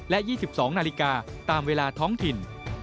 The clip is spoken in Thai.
และ๒๒นาฬิกาตามเวลาท้องถิ่น